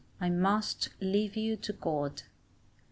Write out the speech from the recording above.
I must leave you to God.